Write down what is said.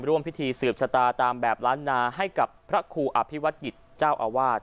ร่วมพิธีสืบชะตาตามแบบล้านนาให้กับพระครูอภิวัตกิจเจ้าอาวาส